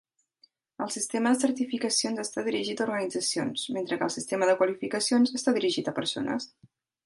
El sistema de certificacions està dirigit a organitzacions, mentre que el sistema de qualificacions està dirigit a persones.